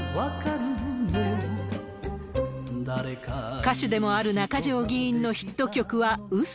歌手でもある中条議員のヒット曲はうそ。